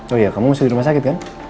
oh iya kamu mesti di rumah sakit kan